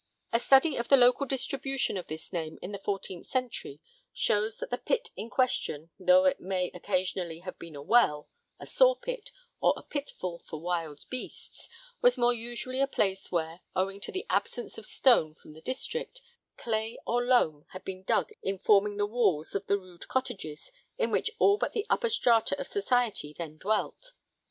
A study of the local distribution of this name in the 14th century shows that the pit in question, though it may occasionally have been a well, a sawpit, or a pitfall for wild beasts, was more usually a place where, owing to the absence of stone from the district, clay or loam had been dug in forming the walls of the rude cottages in which all but the upper strata of society then dwelt.